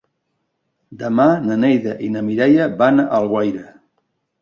Demà na Neida i na Mireia van a Alguaire.